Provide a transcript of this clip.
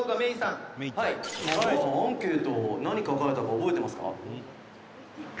アンケート何書かれたか覚えてますか？」